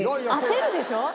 焦るでしょ？